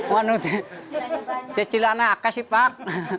mencicil hanya akan sifat